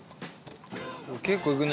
結構いくね。